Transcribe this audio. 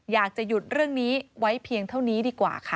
อยากจะหยุดเรื่องนี้ไว้เพียงเท่านี้ดีกว่าค่ะ